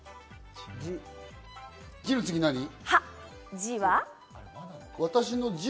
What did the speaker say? じは。